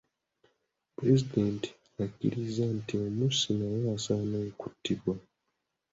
Pulezidenti akkiriza nti omussi naye asaana kuttibwa.